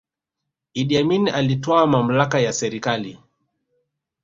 iddi amini alitwaa mamlaka ya serikali